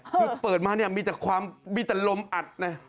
คือเปิดมามีแต่ลมอัด